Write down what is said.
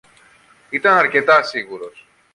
ήταν αρκετά σίγουρος